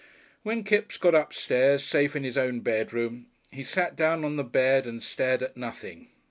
When Kipps got upstairs safe in his own bedroom, he sat down on the bed and stared at nothing.